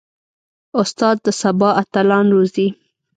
استاد د سبا اتلان روزي.